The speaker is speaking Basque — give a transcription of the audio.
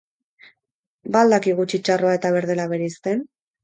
Ba al dakigu txitxarroa eta berdela bereizten?